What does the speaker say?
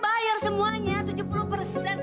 pasti beban ibunya ayu kan bakal berkurang